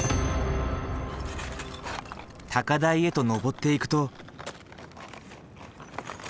高台へと上っていくと。